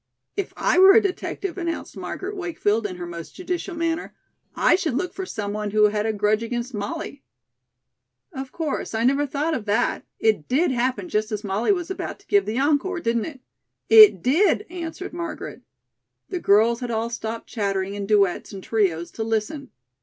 "If I were a detective," announced Margaret Wakefield, in her most judicial manner, "I should look for some one who had a grudge against Molly." "Of course; I never thought of that. It did happen just as Molly was about to give the encore, didn't it?" "It did," answered Margaret. The girls had all stopped chattering in duets and trios to listen.